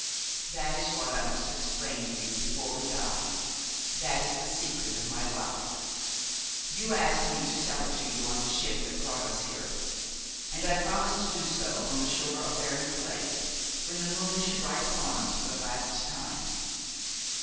"That is what I must explain to you before we die; that is the secret of my life. You asked me to tell it to you on the ship that brought us here, and I promised to do so on the shore of Bernica Lake, when the moon should rise upon us for the last time."